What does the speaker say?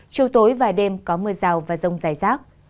chiều tối vài đêm có mưa rào và rông dài rác